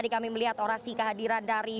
di sebelah kanan layar